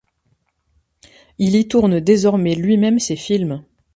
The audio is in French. Il y tourne désormais lui-même ses films.